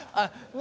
何？